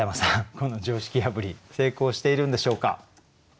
この常識破り成功しているんでしょうか？